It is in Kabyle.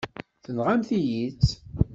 Tenɣam-iyi-tt.